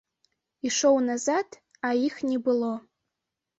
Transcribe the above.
Ішоў назад, а іх не было.